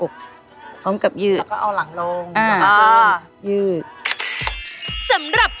ก็ต้องข้างไหม